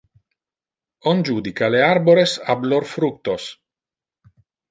On judica le arbores ab lor fructos.